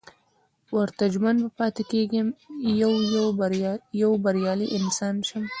ورته ژمن به پاتې کېږم چې يو بريالی انسان شم.